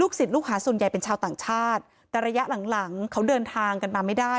ศิษย์ลูกหาส่วนใหญ่เป็นชาวต่างชาติแต่ระยะหลังหลังเขาเดินทางกันมาไม่ได้